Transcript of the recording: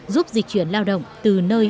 giúp dịch chuyển lao động từ nơi